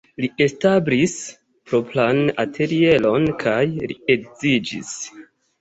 Li establis propran atelieron kaj li edziĝis.